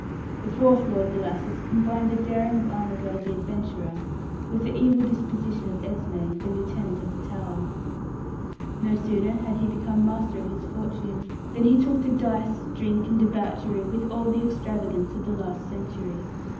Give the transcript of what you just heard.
The fourth Lord Bellasis combined the daring of Armigell, the adventurer, with the evil disposition of Esme, the Lieutenant of the Tower. No sooner had he become master of his fortune than he took to dice, drink, and debauchery with all the extravagance of the last century.